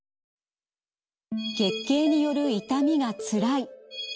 月経による痛みがつらい。